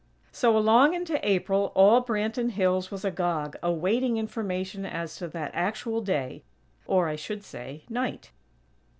So, along into April all Branton Hills was agog, awaiting information as to that actual day; or, I should say, night.